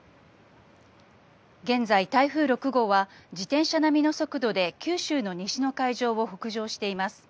現在、台風６号は自転車並みの速度で九州の西の海上を北上しています。